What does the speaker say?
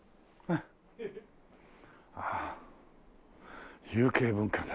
ああ有形文化財。